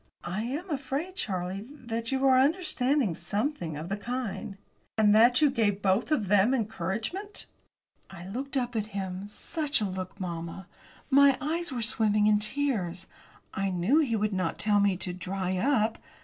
"I am afraid, Charlie, that you are to understand something of the kind." "And that you gave both of them encouragement?" I looked up at him such a look, mamma! My eyes were swimming in tears. I knew he would not tell me to "dry up."